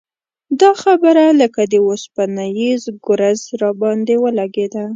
دا خبره لکه د اوسپنیز ګرز راباندې ولګېده.